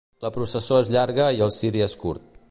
La processó és llarga i el ciri és curt.